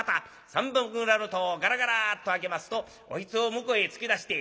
三番蔵の戸をガラガラッと開けますとおひつを向こへ突き出して。